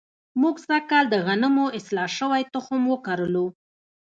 موږ سږ کال د غنمو اصلاح شوی تخم وکرلو.